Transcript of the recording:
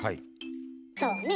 そうね。